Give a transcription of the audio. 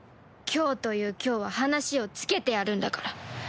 今日という今日は話をつけてやるんだから！